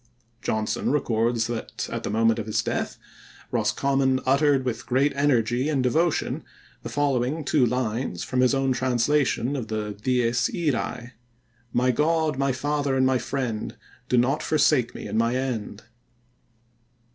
Johnson records that, at the moment of his death, Roscommon uttered with great energy and devotion the following two lines from his own translation of the Dies Irae: My God, my Father, and my Friend, Do not forsake me in my end!